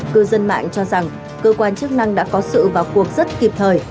cư dân mạng cho rằng cơ quan chức năng đã có sự vào cuộc rất kịp thời